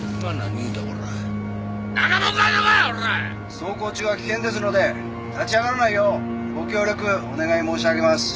走行中は危険ですので立ち上がらないようご協力お願い申し上げます。